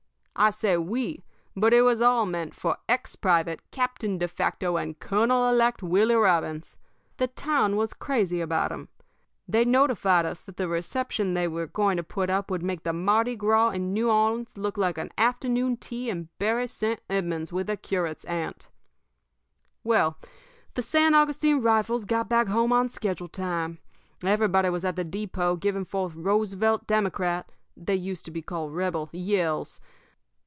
"I say 'we,' but it was all meant for ex Private, Captain de facto, and Colonel elect Willie Robbins. The town was crazy about him. They notified us that the reception they were going to put up would make the Mardi Gras in New Orleans look like an afternoon tea in Bury St. Edmunds with a curate's aunt. "Well, the San Augustine Rifles got back home on schedule time. Everybody was at the depot giving forth Roosevelt Democrat they used to be called Rebel yells.